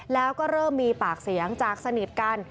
แล้วก็เริ่มมีปากเสียงจากสนิทกัน